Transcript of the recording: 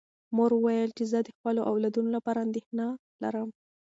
مور وویل چې زه د خپلو اولادونو لپاره اندېښنه لرم.